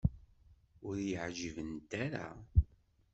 Ur yi-ɛǧibent ara.